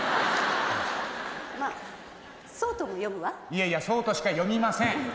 いやいやそうとしか読みません。